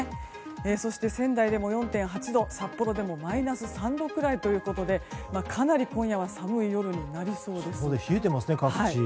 そして仙台でも４．８度札幌でもマイナス３度くらいということでかなり今夜は寒い夜になりそうです。